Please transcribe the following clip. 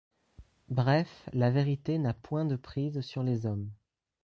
Bref la vérité n’a point de prise sur les hommes.